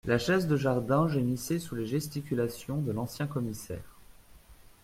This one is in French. La chaise de jardin gémissait sous les gesticulations de l’ancien commissaire.